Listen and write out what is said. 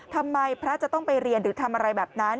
ทำไมพระจะต้องไปเรียนหรือทำอะไรแบบนั้น